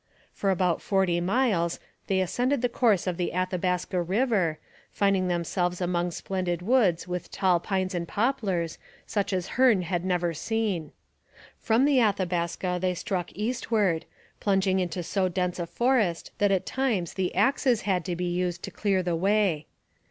For about forty miles they ascended the course of the Athabaska river, finding themselves among splendid woods with tall pines and poplars such as Hearne had never seen. From the Athabaska they struck eastward, plunging into so dense a forest that at times the axes had to be used to clear the way.